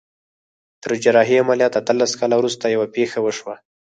تر جراحي عمليات اتلس کاله وروسته يوه پېښه وشوه.